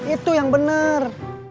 itu yang bener